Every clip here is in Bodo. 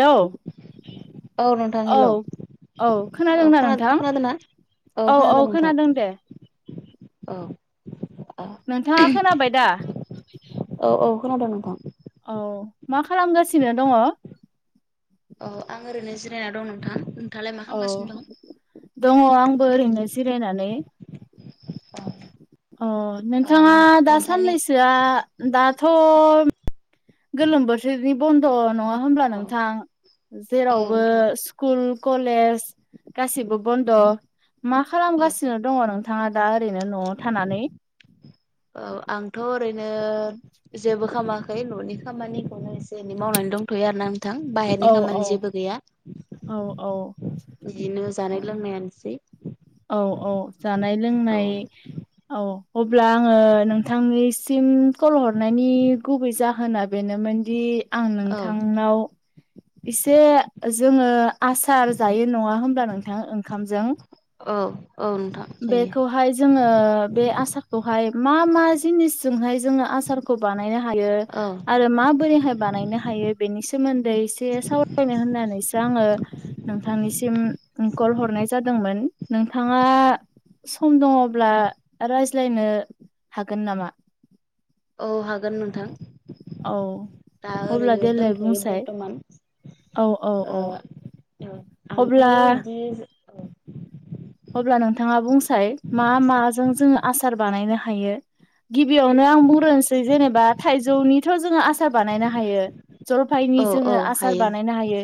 हेल' औ नोंथां हेलौ औ खोनादोंना नोंथां खोनादोंना औ खोनादोंना औ दों नोंथां। खोनादों दे औ नोंथाङा खोनाबाय दा? औ-औ खोनादों नोंथां। औ मा खालामगासिनो दङ? औ आं ओरैनो जिरायना दं नोंथां। नोंथाङालाय मा औ खालामगासिनो दं दङ आंबो ओरैनो जिरायनानै। अ नोंथाङा औ दा नोंथांनि साननैसोआ दाथ' गोलोम बोथोरनि बन्द' नङा होमब्ला औ नोंथां औ जेरावबो नोंथां स्कुल कलेज गासिबो बन्द' मा औ खालामगासिनो दङ नोंथां? नोंथांङा दा ओरैनो न'आव थानानै औ आंथ' ओरैनो जेबो खालामाखै न'नि खामानिखौनो एसे एनै मावनानै दंथ'यो आरो ना आं थां बाहेरनि खामानि जेबो गैया। औ-औ बिदिनो जानाय लोंनायानोसै। औ-औ जानाय औ लोंनाय औ अब्ला आङो नोंथांनिसिम कल हरनायनि गुबै जाहोना बेनोमोनदि आं औ नोंथांनाव एसे जोङो आसार जायो नङा होमब्ला नोंथां ओंखामजों औ-औ नोंथां। जायो बेखौहाय जोङो बे आसारखौहाय मा मा जिनिसजोंहाय जोङो आसार बानायनो हायो औ आरो मा बोरैहाय बानायनो हायो बेनि सोमोन्दै एसे सावरायनो होननानैसो आङो नोंथांनिसिम कल हरनाय जादोंमोन। नोंथाङा सम दङब्ला रायज्लायनो हागोन नामा? औ हागोन नोंथां औ दा अब्ला ओरैनो दंथ'यो बर्थमान। औ-औ अ ओ औ आंथ' बिदि अब्ला नोंथाङा बुंसाय मा माजों जोङो आसार बानायनो हायो? गिबियावनो आं बुंहोसै जेनेबा थाइजौनिथ' जोङो आसार बानायनो हायो। जलफायनि औ जोङो औ आसार हायो बानायनो हायो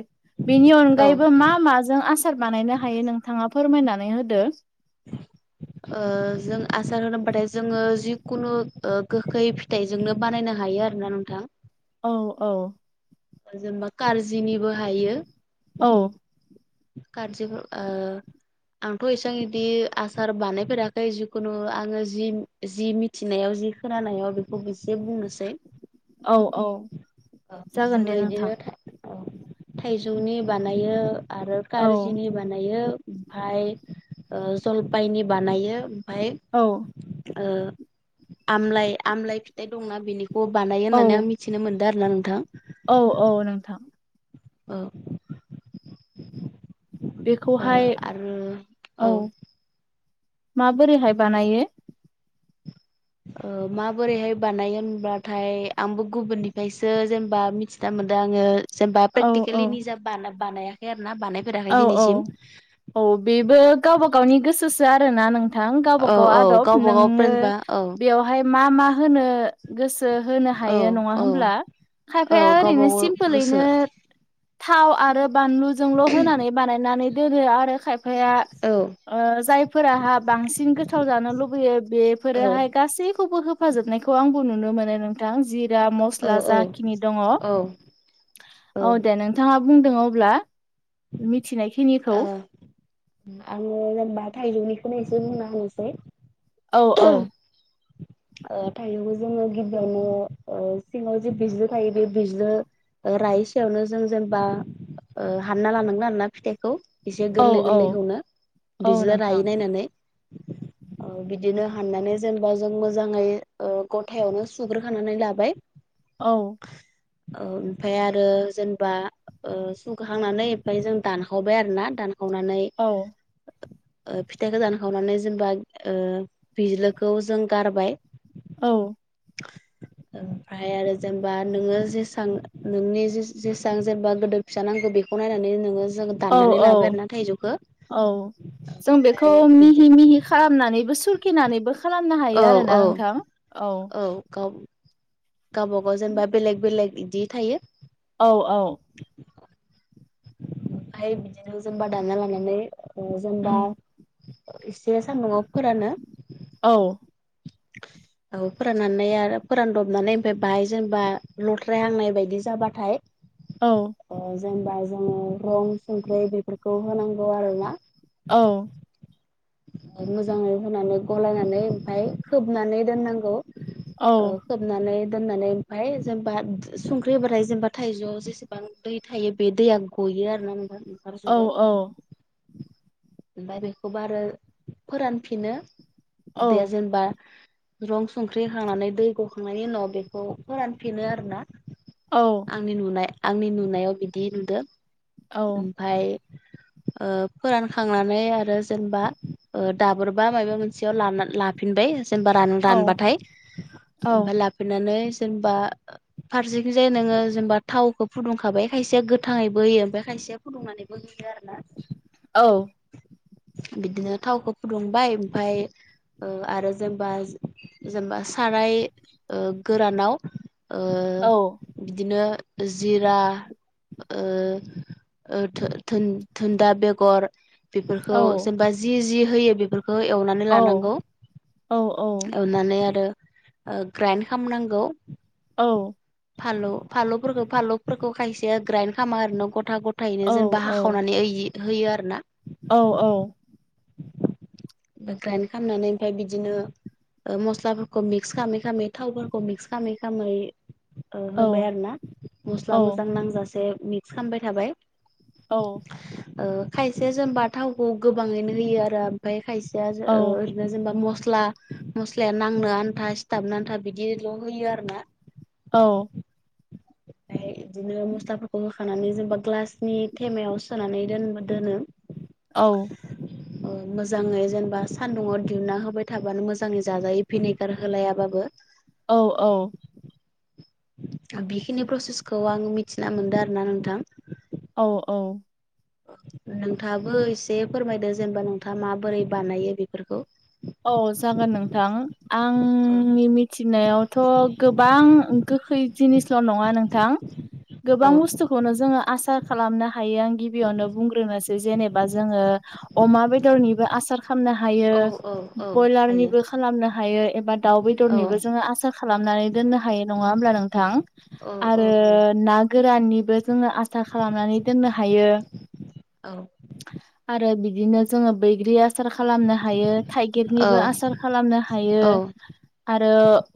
बेनि औ अनगायैबो मा-मा जों आसार बानायनो हायो नोंथाङा फोरमायनानै होदो? [unintelligible] [inaudible] ओ जों आसार होनोबोबाथाय जोङो जिखुनु ओ गोखै फिथाइ जोंनो बानायनो हायो आरोना नोंथां। औ-औ जेनेबा करजिनिबो हायो। औ गारजि ओ आंथ' एसां इदि आसार बानायफेराखै जिखुनु आङो जि जि मिथिनायाव जि खोनानायाव बेखौ एसे बुंनोसै। औ औ जोङो जागोन दे नोंथां बिदिनो औ थाइजौनि बानायो आरो औ कारजिनि बा नायो ओमफ्राय जलफायनि बानायो ओमफ्राय औ। ओ आमलाय आमलाय फिथाइ दंना बेनिखौ बानायो औ होननानै आं मिथि मिथिनो मोनदो आरो ना नोंथां। औ औ नोंथां। औ। ओ बेखौहाय आरो औ माबोरैहाय बानायो? ओ माबोरैहाय बानायो होनबाथाय आंबो गुबुननिफ्रायसो जेनेबा मिथिना मोनदों आङो जेनेबा औ औ प्रेक्टिकेलि निजा बान बानायाखै आरो ना बानाय औ औ औ बेबो गावबा गावनि गोसोसो आरोना नों नोंथां गावबा औ गाव औ आदब गावबा गाव नोङो जेनेबा औ बेवहाय मा मा होनो गोसो होनो औ हायो नङा औ होमब्ला औ खायफाया गावबा ओरैनो गाव गोसो सिमपोलैनो थाव आरो बानलुजोंल' होनानै बानायनानै दोनो आरो खायफाया औ औ ओ जायफोराहा बांसिन गोथाव जानो लुबैयो औ बेफोरहाय गासैखौबो हो फाजोबनायखौ आंबो नुनो मोनो न नोंथां जिरा औ मस्ला औ जाखिनि दङ औ ओ दे नोंथां नोंथांङा बुंदों अब्ला मिथिनायखिनिखौ। आङो जेनेबा थाइजौनिखौनो एसे बुंना होनोसै। औ औ। ओ थायजौखौ जोङो गिबियावनो ओ सिङाव जे बिजलो थायो बे बिजलो रायि सायावनो जों जेनेबा ओ हानना लानांगोन आरोना फिथाइखौ एसे औ गोरलै औ गोरलैखौनो औ बिजलो नोंथां रायै नायनानै ओ बिदिनो हाननानै जेनेबा जों मो मोजाङै ओ गथायावनो सुग्रोखानानै लाबाय औ। ओ ओमफ्राय आरो जेनेबा ओ सुखांनानै ओमफ्राय जों दानखावबाय आरो ना दानखावनानै औ। ओ फिथाइ दानखावनानै जेनेबा ओ बिजलोखौ जों गारबाय। औ। ओमफ्राय आरो जेनेबा नोङो जेसां नोंनि जेसां जेनेबा गोदो फिसा नांगौ बेखौ नायनानै नोङो जागोन औ औ औ जों बेखौ ओमफ्राय बिदि मिहि मिहि खालामनानैबो सुर सुरखिनानैबो खालामनो औ हायो औ आरोना नोंथां औ औ गाव गावबा गाव जेनेबा बेलेग बेलेग बिदि थायो। औ औ। ओमफ्राय बिदिनो जेनबा दानना लानानै जेनबा उम इसे सान्दुंआव फोरानो औ। औ फोराननानै आरो फोरानदबनानै ओमफ्राय बाहाय जेनेबा लथ्रायहांनाय बायदि जाबाथाय औ। ओ जेनेबा जोङो रं संख्रि बेफोरखौ होनांगौ आरोना औ। मोजाङै होनानै गलायनानै ओमफाय खोबनानै दोननांगौ औ खोबनानै दोननानै ओमफाय जेनबा संख्रि होबाथाय जेनबा थाइजौआव जेसेबां दै थायो बे दैया गयो आरो ना नो [unintelligible] औ ओंखारजोबो ओमफाय बेखौबो आरो फोरानफिनो दे जेनबा रं संख्रि होखांनानै दै गखांनायनि उनाव बेखौ फोरानफिनो आरोना। औ आंनि नुनाय आंनि नुनायाव बिदि नुदो औ उम। फाय ओ फोरानखांनानै आरो जेनबा ओ दाबोरबा मायबा मोनसेयाव लाना लाफिनबाय जेनबा रान दानबाथाय औ ओमफाय लाफैनानै जेनबा फारसेखिजाय नोङो जेनेबा थावखौ फुदुंखाबाय खायसेया गोथाङैबो होयो ओमफाय खायसेया फुदुंनानैबो [unintelligible] आरोना औ बिदिनो थावखौ फुदुंबाय ओमफाय ओ आरो जेनबा- जेनबा साराय ओ गोरानाव ओ औ बिदिनो जिरा ओ ओ धो-धोन-धोनदा बेगर बेफोरखौ जेनबा जि-जि होयो बेफोरखौ एवनानै लानांगौ औ नानै आरो ओ ग्राइन्द खामनांगौ। औ फालु-फालुफोरखौ-फालुफोरखौ खायसेया ग्राइन्द खामा आरोना गथा ग' थायैनो जेनबा औ हाखावनानै ऐ इ होयो आरोना। औ औ [inaudible] ग्राइन खामनानै ओमफाय बिदिनो ओ मस्लाफोरखौ मिक्स खामै-खामै थावफोरखौ मिक्स खामै-खामै ओ होबाय आरोना मस्ला मोजां नांजासे मिक्स खामबाय थाबाय औ ओ खायसेया जेनबा थावखौ गोबाङैनो होयो आरो ओमफाय खायसेया जो ओ नो जेनबा मस्ला-मस्लाया नांनो आन्था सिथाबनो आन्था बिदिल' होयो आरोना औ फाय इदिनो मसलाफोरखौ खानानै जेनबा ग्लासनि थेमायाव सोनानै दोन-दोनो। औ ओ मोजाङै जेनबा सान्दुंआव दिहुनना होबाय थाबानो मोजाङै जाजायो भिनेगार होलायाबाबो। औ औ बिखिनि प्रसेसखौ आं मिथिना मोनदो आरोना नोंथां। औ औ नोंथाङाबो एसे फोरमायदो जेनबा नोंथाङा माबोरै बानायो बेफोरखौ। औ जागोन नोंथां आंनि मिथिनायावथ' गोबां गोखै जिनिस ल' नङा नोंथां गोबां औ बुसथु खौनो जोङो आसार खालामनो हायो आं गिबियावनो बुंग्रोनोसै जेनेबा जोङो अमा बेदरनिबो आसार खामनो हायो। औ औ औ हायो बयलारनिबो खालामनो हायो एबा दाउ बेदरनिबो औ जोङो आसार खालामनानै दोननो हायो नङा होमब्ला नों थां औ औ हायो। ना गोराननिबो जोङो आसार खालामनानै दोननो हायो। औ आरो बिदिनो जोङो बैग्रि आसार खालामनो हायो। औ थाइगिरनिबो आसार खालामनो हायो। औ आरो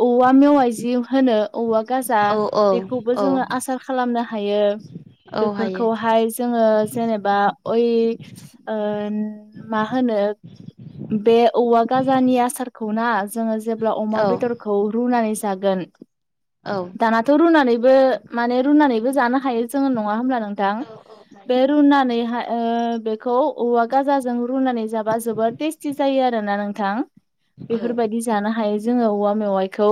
औवा मेवाइ जि होनो औवा गाजा औ औ बेखौबो औ जोङो आसार खालामनो हायो। औ हायो बेफोरखौहाय जोङो जेनेबा अइ ओन मा होनो बे औवा गाजानि आसारखौ ना जोङो जेब्ला अमा औ बेदर खौ रुनानै जागोन औ। थाङाथ' रुनानैबो माने रुनानैबो जानो हायो जोङो नङा होमब्ला नों थां। औ बे जायो रुनानैहाय ओ बेखौ औवा गाजाजों रुनानै जाबा जोबोर टेस्टि जायो आरोना नोंथां। औ बेफोरबायदि जानो हायो जोङो औवा मेवाइखौ।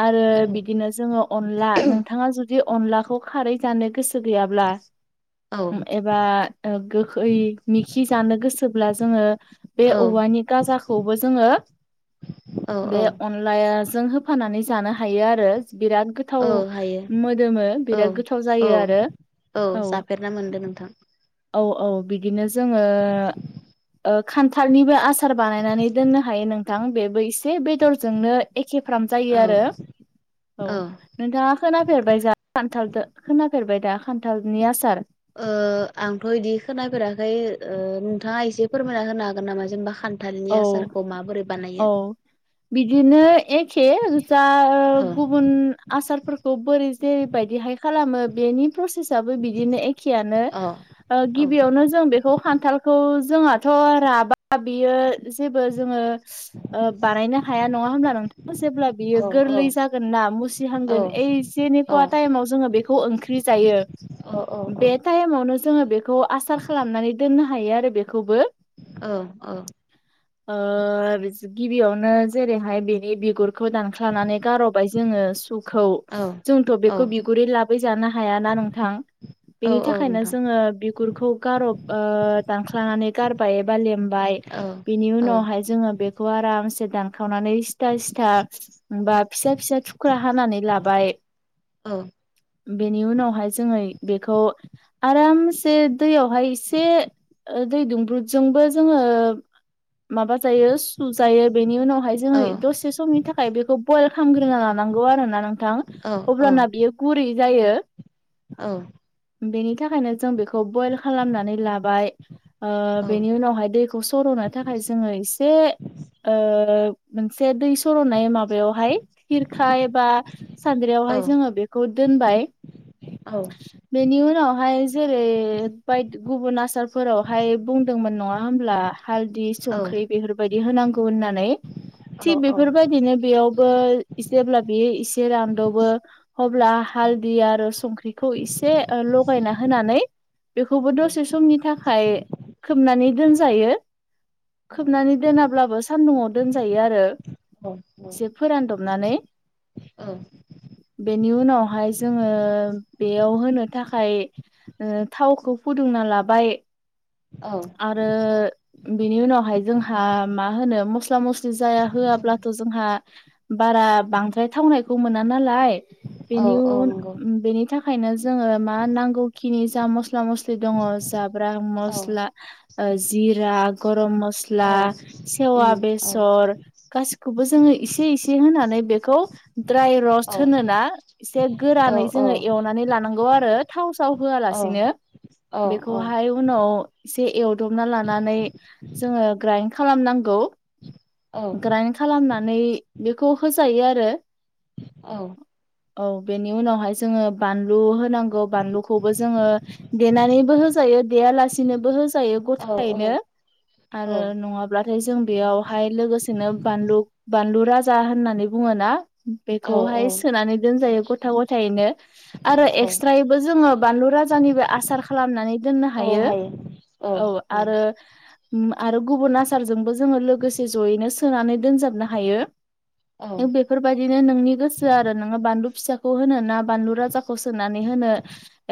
आरो बिदिनो जोङो अनला नोंथाङा जुदि अनलाखौ खारै जानो गोसो गैयाब्ला औ एबा ओ गोखै मिखि जानो गोसोब्ला जोङो बे औ औवानि गाजाखौबो जोङो औ बे औ अन लाजों होफानानै जानो हायो आरो। बिराद गोथा हायो थाव मोदोमो औ बिराद गोथाव औ जायो आरो। औ जाफेरना मोनदो नोंथां। औ औ बिदिनो जोङो ओ खान्थालनिबो आस सार बानायनानै दोननो हायो नोंथां। बेबो एसे बेदरजोंनो एखेफ्राम जायो औ आरो औ। नोंथाङा खोनाफेरबाय दा खान्थालदो खोनाफेरबाय दा खान्थालनि आसार? ओ आंथ' बिदि खोनाफेराखै नोंथाङा एसे फोरमायना होनो हागोन नामा? जेनेबा खान नि औ आसारखौ माबो औ बिदिनो एखे ओ जा औ गुबुन आसारफोरखौ बोरै जेरैबायदिहाय खालामो बेनि प्रसेस थाबो बिदिनो एखेनो अ ओ औ गिबियावनो जों बेखौ खान्थालखौ जोंहाथ' राबा बियो जेबो जोङो ओ बानायनो हाया नङा होमब्ला नोंथां। जेब्ला बियो औ गोरलै जागोन ना औ मुसिहांगोन ओइजेनि औ ख'या टाइमाव जोङो बेखौ ओंख्रि जायो। अ अ। बे टाइमावनो जोङो बेखौ आसार खालामनानै दोननो हायो आरो बेखौबो। ओ ओ। ओ गिबियावनो जेरैहाय बेनि बिगुर खौ दानख्लानानै गार'बाय जोङो सुखौ। जोंथ' औ औ बेखौ बिगुरै लाबैजानो हायाना नोंथां। औ बेनि औ थाखायनो नोंथां जोङो बिगुरखौ गारब ओ दानख्लानानै गारबाय एबा लेमबाय औ औ ओमफ्राय जोङो बेखौ आरामसे दानखावनानै सिथा सि बा फिसा फिसा थुख्रा हानानै लाबाय। औ बेनि उनावहाय जोङो बेखौ आरामसे दैयावहाय एसे दै दुंब्रुदजोंबो जोङो माबा जायो सुजायो। बेनि उनावहाय औ जोङो दसे समनि थाखाय बेखौ बइल खामग्रोना लानांगौ आरो ना नोंथां। औ औ अब्लाना बियो गुरै जायो। औ। बेनि थाखायनो जों बेखौ बयल खालामनानै लाबाय। ओ बेनि उनावहाय दै खौ सर'नो थाखाय जोङो एसे ओ मोनसे दै सर'नाय माबायावहाय खिरखा एबा सानाद्रियावहाय जोङो बेखौ दोनबाय। औ। बेनि उनावहाय जेरै बायद गुबुन आसारफोरावहाय बुंदोंमोन नङा होमब्ला हालद दि संख्रि बेफोरबायदि होनांगौ होननानै थि बेफोरबायदिनो बेयावबो इसेब्ला बे इसे रानद'बो अब्ला हालदि आरो संख्रिखौ एसे लगायना होनानै बेखौबो दसे समनि थाखाय खोबनानै दोनजायो खोबनानै दोनाब्लाबो सान्दुुङाव दोनजायो आरो एसे फोरानद'बनानै औ बेनि उनावहाय जोङो बेयाव होनो थाखाय ओ थावखौ फुदुंना लाबाय औ रो बेनि उनावहाय जोंहा मा होनो मस्ला मस्लि जाया होवाब्लाथ' जोंहा बारा बांद्राय थावनायखौ मोना नालाय बेनि उन नंगौ बेनि थाखायनो जोङो मा नांगौखिनि जा मस्ला मस्लि दङ जाब्रा औ मस्ला ओ जिरा गरम मस्ला औ स्ला सेवा उम औ बेसर गासिखौबो जोङो इसे इसे होनानै बेखौ ड्राय र'स्ट औ होनो ना इसे औ गोरानै जोङो औ एवनानै लानांगौ आरो थाव साव औ होवालासिनो औ औ उनाव एसे एवदबना लानानै जोङो ग्राइन्ड खालामनांगौ औ ग्राइन्ड खालामनानै बेखौ होजायो आरो औ औ बेनि उनावहाय जोङो बानलु होनांगौ बानलुखौबो जोङो देनानैबो होजायो देया लासिनोबो हो होजायो औ गथायैनो आरो औ नङाब्ला फाय जों बेयावहाय लोगोसेनो बानलु बानलु राजा होननानै बुङो ना औ बेखौहाय सोनानै दोनजायो गथा गथायैनो आरो औ एक्सट्रायैबो जोङो बानलु राजानिबो आसार खालामनानै दोननो हायो औ आरो उम आरो गुबुन आसारजोंबो जोङो लोगोसे जयैनो सोनानै दोनजाब नो हायो औ बे बफोरबायदिनो नोंनि गोसो आरो नोङो बानलु फिसाखौ होनो ना बानलु राजाखौ फसंनानै होनो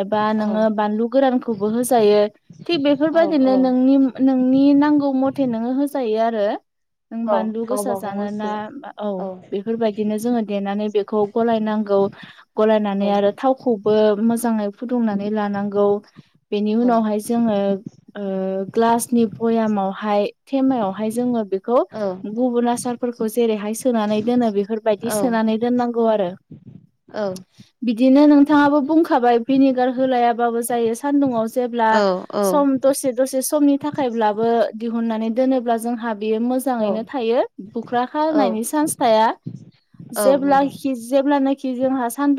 एबा नोङो बानलु गोरानखौबो होजायो थिख औ बेफोरबादि औ निम नोंनि नांगौ मथे नोङो होजायो आरो नों औ बानलु गोसा गावबा गाव जानो ना गोसो औ बेफोरबायदिनो जोङो देनानै बेखौ गलायनांगौ औ गलायनानै आरो थाव खौबो मोजाङै फुदुंनानै लानांगौ बेनि औ उनावहाय जोङो ओ ग्लासनि बयामावहाय थेमायावहाय जोङो बेखौ औ गुबुन आसारफोरखौ जेरैहाय सोनानै दोनो बेफोरबायदि सोनानै दोननांगौ आरो औ बिदिनो नोंथाङाबो बुंखाबाय भिनिगार होलायाबाबो जायो सानदुङाव जेब्ला औ सम दसे दसे समनि थाखायब्लाबो दिहुननानै दोनोब्ला जोंहा बेयो मो जाङैनो थायो बुख्रा औ खानायनि चान्स थाया औ जेब्ला नंगौ खि जेब्लानोखि जोंहा सानदुं